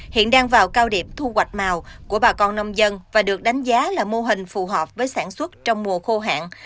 hiện đang vào cao điểm thu hoạch màu của bà con nông dân và được đánh giá là mô hình phù hợp với sản xuất trong mùa khô hạn